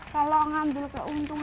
kalau ngambil keuntungan